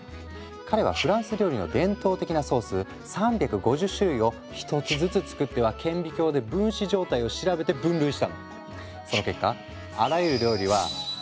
彼はフランス料理の伝統的なソース３５０種類を１つずつ作っては顕微鏡で分子状態を調べて分類したんだ。